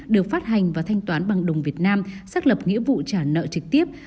được phát hành và thanh toán bằng đồng việt nam xác lập nghĩa vụ trả nợ trực tiếp